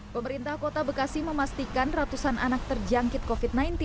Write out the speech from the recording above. pemerintah kota bekasi memastikan ratusan anak terjangkit covid sembilan belas